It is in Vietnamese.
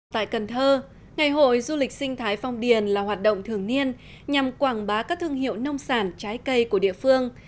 tại cần thơ ngày hội du lịch sinh thái phong điền là hoạt động thường niên nhằm quảng bá các thương hiệu nông sản trái cây của địa phương